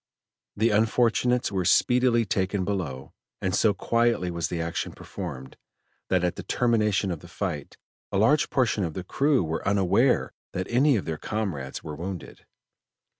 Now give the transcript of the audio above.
The unfortunates were speedily taken below, and so quietly was the action performed, that at the termination of the fight a large portion of the crew were unaware that any of their comrades were wounded.